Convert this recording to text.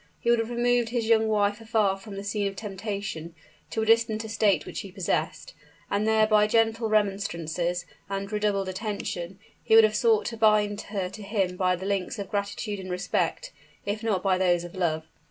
He would have removed his young wife afar from the scene of temptation to a distant estate which he possessed; and there by gentle remonstrances and redoubled attention, he would have sought to bind her to him by the links of gratitude and respect, if not by those of love.